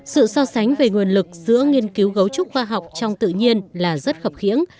sự so sánh về nguồn lực giữa nghiên cứu gấu trúc khoa học trong tự nhiên là rất khập khiễng